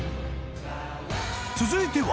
［続いては］